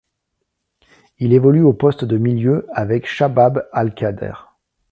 Il évolue au poste de milieu avec Shabab Al-Khadr.